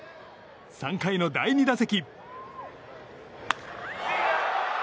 ３回の第２打席。